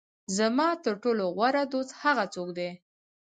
زما تر ټولو غوره دوست هغه څوک دی.